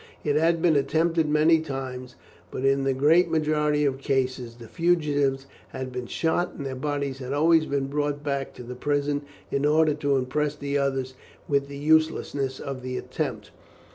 It had been attempted many times, but in the great majority of cases the fugitives had been shot, and their bodies had always been brought back to the prison in order to impress the others with the uselessness of the attempt.